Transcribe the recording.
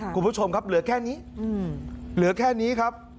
คุณผู้ชมครับเหลือแค่นี้